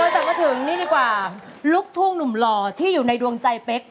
แต่มาถึงนี่ดีกว่าลูกทุ่งหนุ่มหล่อที่อยู่ในดวงใจเป๊ก